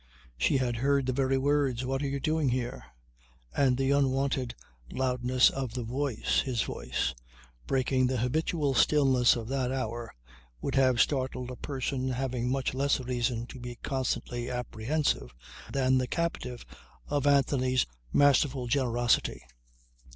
She had heard the very words. "What are you doing here?" And the unwonted loudness of the voice his voice breaking the habitual stillness of that hour would have startled a person having much less reason to be constantly apprehensive, than the captive of Anthony's masterful generosity.